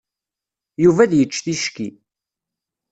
Yuba ad yečč ticki.